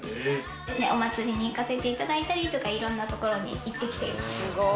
お祭りに行かせていただいたりとか、いろんなところに行ってきています。